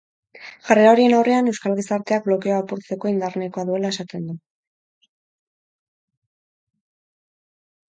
Jarrera horien aurrean, euskal gizarteak blokeoa apurtzeko indar nahikoa duela esaten du.